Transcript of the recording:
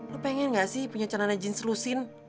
lo pengen gak sih punya celana jeans lucin